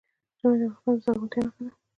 ژمی د افغانستان د زرغونتیا نښه ده.